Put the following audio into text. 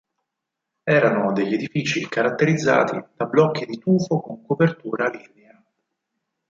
Erano degli edifici caratterizzati da blocchi di tufo con copertura lignea.